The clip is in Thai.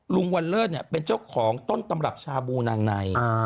วันเลิศเป็นเจ้าของต้นตำรับชาบูนางใน